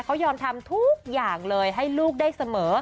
เขายอมทำทุกอย่างเลยให้ลูกได้เสมอ